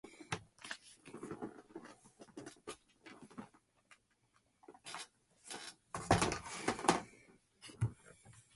He then returned to London to be closer to his parents.